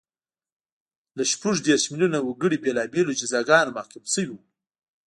له شپږ دېرش میلیونه وګړي بېلابېلو جزاګانو محکوم شوي وو